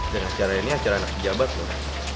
dan acara ini acara anak pejabat loh